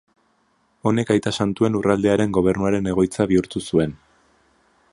Honek Aita Santuen Lurraldearen Gobernuaren egoitza bihurtu zuen.